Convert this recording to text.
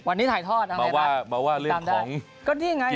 วันนี้ถ่ายทอดมาว่าเรื่องของกีฬากันก่อน